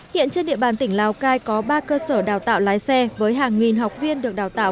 hiện trên địa bàn tỉnh lào cai có ba cơ sở đào tạo lái xe với hàng nghìn học viên được đào tạo